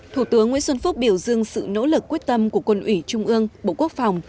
thủ tướng nguyễn xuân phúc biểu dương sự nỗ lực quyết tâm của quân ủy trung ương bộ quốc phòng